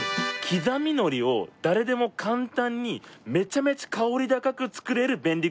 刻みのりを誰でも簡単にめちゃめちゃ香り高く作れる便利グッズなんです。